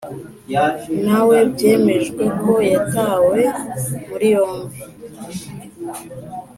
nawe byemejwe ko yatawe muri yombi.